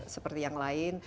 seperti yang lain